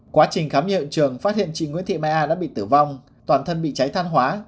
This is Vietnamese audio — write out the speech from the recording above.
quá trình khám nghiệm hiện trường phát hiện chị nguyễn thị mai a đã bị tử vong toàn thân bị cháy than hóa